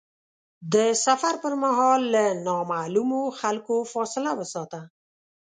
د سفر پر مهال له نامعلومو خلکو فاصله وساته.